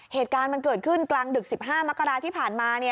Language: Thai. เหตุการณ์มันเกิดขึ้นกลางดึก๑๕มกราที่ผ่านมา